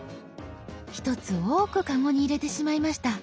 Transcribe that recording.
１つ多くカゴに入れてしまいました。